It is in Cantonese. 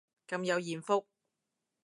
咁有艷福